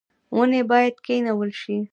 ونې باید کینول شي